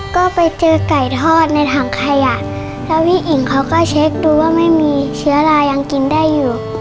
ก็ไปเจอไก่ทอดในถังขยะแล้วพี่อิ๋งเขาก็เช็คดูว่าไม่มีเชื้อลายังกินได้อยู่